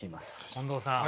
近藤さん。